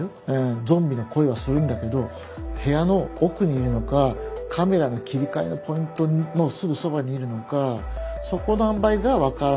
ゾンビの声はするんだけど部屋の奥にいるのかカメラの切り替えのポイントのすぐそばにいるのかそこのあんばいが分からない。